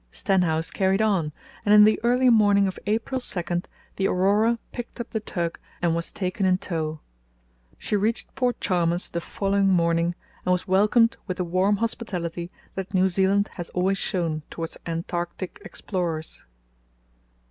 Stenhouse carried on, and in the early morning of April 2 the Aurora picked up the tug and was taken in tow. She reached Port Chalmers the following morning, and was welcomed with the warm hospitality that New Zealand has always shown towards Antarctic explorers.